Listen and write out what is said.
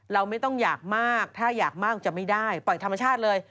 เราไม่ต้องอยากมากถ้าอยากมากจะไม่ได้ปล่อยธรรมชาติเลย